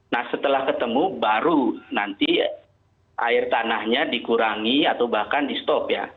nah setelah ketemu baru nanti air tanahnya dikurangi atau bahkan di stop ya